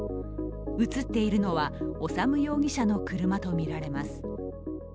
映っているのは修容疑者の車とみられます。